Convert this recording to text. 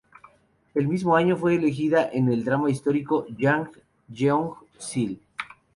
El mismo año, fue elegida en el drama histórico "Jang Yeong-sil".